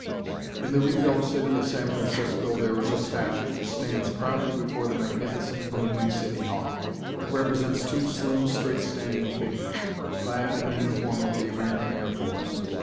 In the rebuilt city of San Francisco there is a statue that stands proudly before the magnificent, gleaming city hall. It represents two slim, straight standing figures, clad in the uniform of the American Air Force.